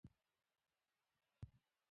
دښمن ته مخه کړه.